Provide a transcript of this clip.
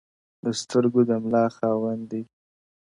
د سترگو د ملا خاوند دی،